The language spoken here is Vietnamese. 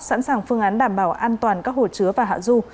sẵn sàng phương án đảm bảo an toàn các hồ chứa và hạ du